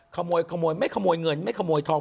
ขโมยขโมยไม่ขโมยเงินไม่ขโมยทอง